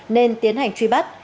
nên tiến hành truy báo